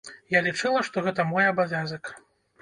Я лічыла, што гэта мой абавязак.